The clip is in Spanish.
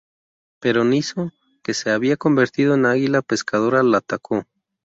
Pero Niso, que se había convertido en águila pescadora, la atacó.